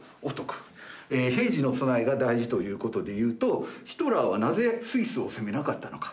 平時の備えが大事ということでいうとヒトラーはなぜスイスを攻めなかったのか。